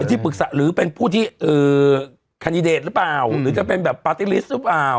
ที่ปรึกษาหรือเป็นผู้ที่แคนดิเดตหรือเปล่าหรือจะเป็นแบบปาร์ตี้ลิสต์หรือเปล่า